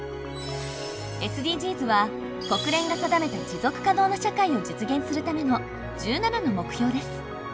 ＳＤＧｓは国連が定めた持続可能な社会を実現するための１７の目標です。